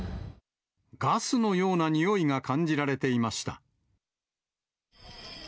ガスのようなにおいが感じられていました。